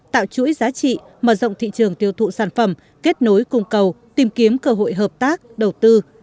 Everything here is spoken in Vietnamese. tạo chuỗi giá trị mở rộng thị trường tiêu thụ sản phẩm kết nối cung cầu tìm kiếm cơ hội hợp tác đầu tư